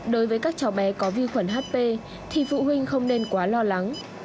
đối với các cháu bé có vi khuẩn hp thì phụ huynh không nên quá lo lắng